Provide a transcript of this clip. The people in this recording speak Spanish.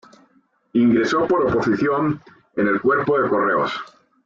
Ingresó por oposición en el cuerpo de Correos.